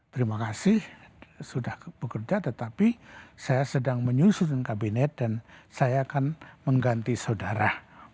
terima kasih sudah bekerja tetapi saya sedang menyusun kabinet dan saya akan mengganti saudara